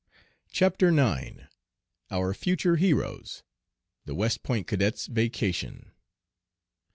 CHAPTER IX. OUR FUTURE HEROES. THE WEST POINT CADETS' VACATION.